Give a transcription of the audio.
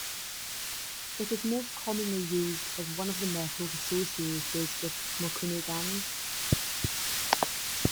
It is most commonly used as one of the metals associated with mokume-gane.